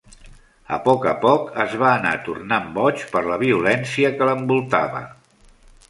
A poc a poc es va anar tornant boig per la violència que l'envoltava.